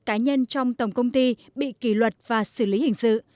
cá nhân trong tổng công ty bị kỷ luật và xử lý hình sự